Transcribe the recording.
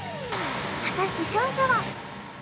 果たして勝者は？